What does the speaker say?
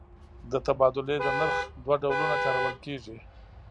د تبادلې د نرخ دوه ډولونه کارول کېږي.